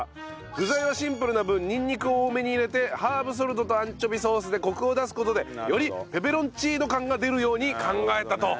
具材はシンプルな分にんにくを多めに入れてハーブソルトとアンチョビソースでコクを出す事でよりペペロンチーノ感が出るように考えたと。